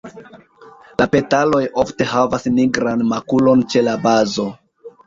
La petaloj ofte havas nigran makulon ĉe la bazo.